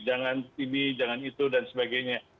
jangan ini jangan itu dan sebagainya